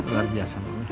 luar biasa banget